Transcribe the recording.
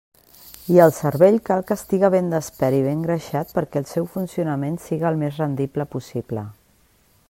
I el cervell cal que estiga ben despert i ben greixat perquè el seu funcionament siga el més rendible possible.